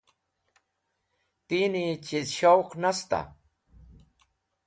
Tini chiz showq nasta?